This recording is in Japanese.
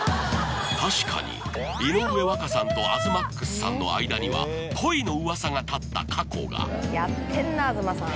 確かに井上和香さんと東ＭＡＸさんの間には恋のうわさが立った過去がやってんな東さん。